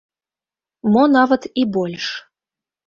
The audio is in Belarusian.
Мо нават і больш.